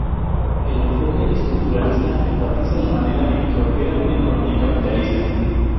El enfoque estructuralista enfatiza la manera en que opera una economía capitalista.